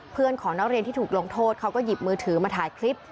เพื่อนของนักเรียนที่ถูกลงโทษเขาก็หยิบมือถือมาถ่ายคลิป